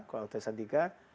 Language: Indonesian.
kota hotel santika